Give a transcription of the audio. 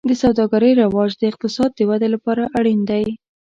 د سوداګرۍ رواج د اقتصاد د ودې لپاره اړین دی.